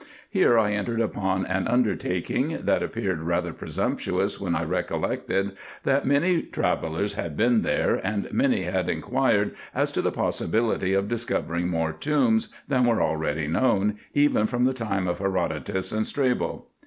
Here I entered upon an undertaking, that appeared rather presumptuous, when I recollected, that many travellers had been there, and many had inquired as to the possibility of discovering more tombs, than were already known, even from the time of Herodotus and Strabo.